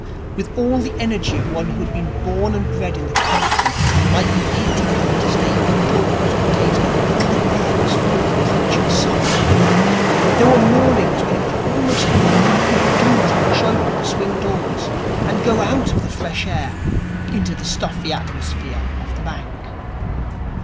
With all the energy of one who had been born and bred in the country, Mike hated having to stay indoors on days when all the air was full of approaching summer. There were mornings when it was almost more than he could do to push open the swing doors, and go out of the fresh air into the stuffy atmosphere of the bank.